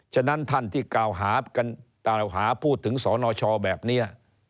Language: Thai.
ฉะนั้นท่านที่กล่าวหาพูดถึงสนชแบบนี้